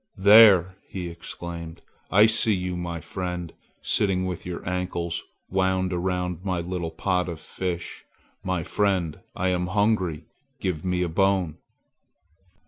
"There!" he exclaimed, "I see you, my friend, sitting with your ankles wound around my little pot of fish! My friend, I am hungry. Give me a bone!"